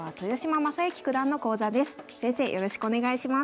よろしくお願いします。